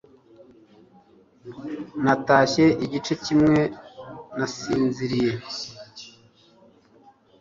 Natashye igice kimwe nasinziriye